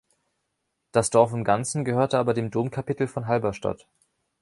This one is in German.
Das Dorf im ganzen gehörte aber dem Domkapitel von Halberstadt.